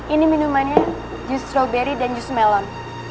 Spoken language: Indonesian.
ini minumannya jus strawberry dan jus melon